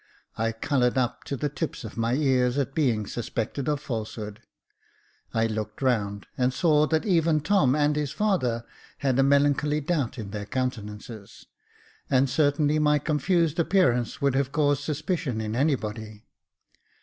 I coloured up to the tips of my ears, at being suspected of falsehood. I looked round, and saw that even Tom and his father had a melancholy doubt in their coun tenances ; and certainly my confused appearance would have caused suspicion in anybody.